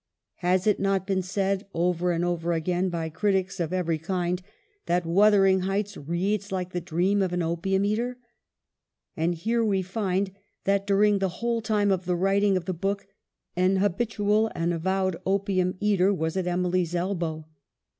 Has it not been said over and over again by critics of every kind that ' Wuthering Heights ' reads like the dream of an opium eater ? And here we find that during the whole time of the writing of the book an habitual and avowed opium eater was at Emily's elbow.